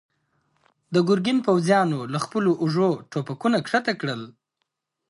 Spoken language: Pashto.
د ګرګين پوځيانو له خپلو اوږو ټوپکونه کښته کړل.